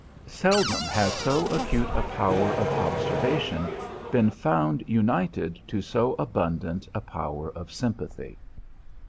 Seldom has so acute a power of observation been found united to so abundant a power of sympathy.